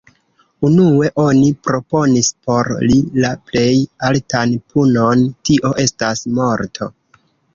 Unue oni proponis por li la plej altan punon, tio estas morto.